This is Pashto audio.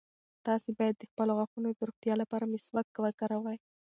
تاسي باید د خپلو غاښونو د روغتیا لپاره مسواک وکاروئ.